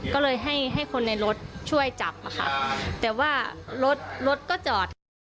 ก็เลยให้คนในรถช่วยจับอะค่ะแต่ว่ารถก็จอด